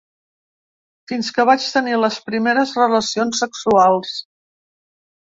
Fins que vaig tenir les primeres relacions sexuals.